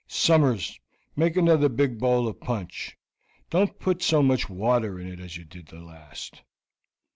Summers, make another big bowl of punch. Don't put so much water in it as you did in the last."